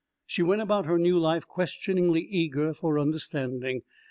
She went about her new life questioningly eager for understanding.